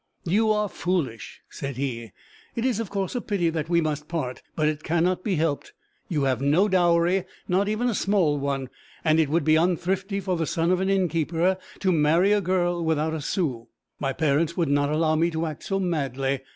'You are foolish,' said he. 'It is, of course, a pity that we must part, but it cannot be helped. You have no dowry, not even a small one. It would be unthrifty for the son of an innkeeper to marry a girl without a sou. My parents would not allow me to act so madly!'